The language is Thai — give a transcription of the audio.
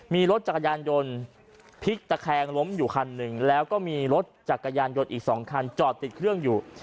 มีรถจักรยานยนต์พลิกตะแคงล้มอยู่คันหนึ่งแล้วก็มีรถจักรยานยนต์อีก๒คันจอดติดเครื่องอยู่